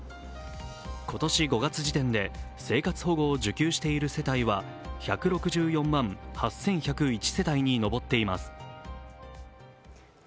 今年５月時点で生活保護を受給している世帯は１６４万８１０１世帯に上っています。